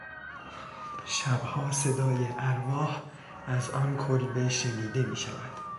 شبها صدای ارواح از آن کلبه شنیده میشود.